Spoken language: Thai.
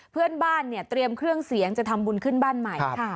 เพื่อนบ้านเนี่ยเตรียมเครื่องเสียงจะทำบุญขึ้นบ้านใหม่